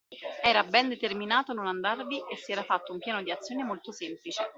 Era ben determinato a non andarvi e si era fatto un piano di azione molto semplice.